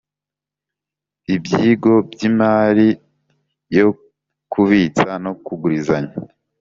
Ibyigo by’ imari yo kubitsa no kugurizanya